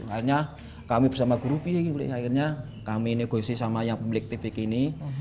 akhirnya kami bersama guru akhirnya kami negosi sama yang pemilik tipik ini